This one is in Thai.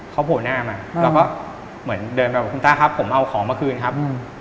เขาโผล่หน้ามาเราก็เหมือนเดินไปบอกคุณต้าครับผมเอาของมาคืนครับ